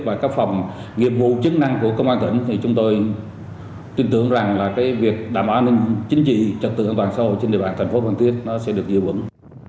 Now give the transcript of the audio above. và các phòng nghiệp vụ chứng năng của công an tỉnh chúng tôi tin tưởng rằng việc đảm bảo an ninh chính trị trật tự an toàn sau trên địa bàn thành phố phan thiết sẽ được giữ vững